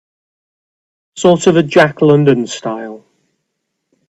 Sort of a Jack London style?